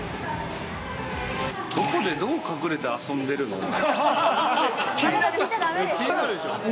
どこでどう隠れて遊んでるの？みたいな。